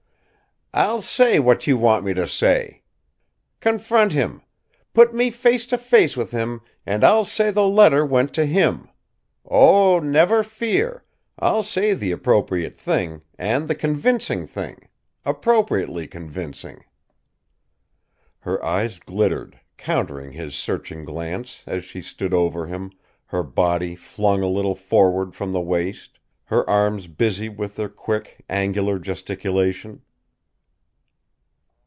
"I'll say what you want me to say. Confront him; put me face to face with him, and I'll say the letter went to him. Oh, never fear! I'll say the appropriate thing, and the convincing thing appropriately convincing!" Her eyes glittered, countering his searching glance, as she stood over him, her body flung a little forward from the waist, her arms busy with their quick, angular gesticulation.